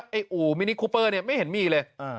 ไอ้อูมินิคุปเปอร์เนี้ยไม่เห็นมีเลยอ่า